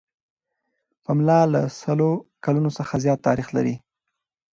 پملا له سلو کلونو څخه زیات تاریخ لري.